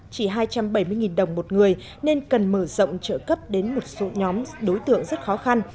chỉ hai trăm bảy mươi đồng một người nên cần mở rộng trợ cấp đến một số nhóm đối tượng rất khó khăn